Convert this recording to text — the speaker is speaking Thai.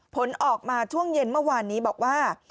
ผลออกมาช่วงเย็นเมื่อวานนี้บอกว่า